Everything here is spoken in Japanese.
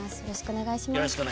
よろしくお願いします。